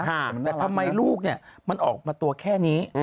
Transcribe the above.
แต่ทำไมลูกมันออกมาตัวแค่นี้